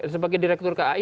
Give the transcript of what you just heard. sebagai direktur kai